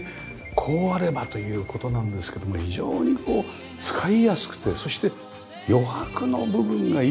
こうあればという事なんですけども非常に使いやすくてそして余白の部分が生きてますよね。